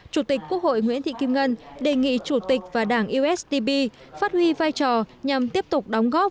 chủ tịch quốc hội nguyễn thị kim ngân đề nghị chủ tịch và đảng usdp phát huy vai trò nhằm tiếp tục đóng góp